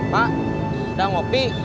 pak udah ngopi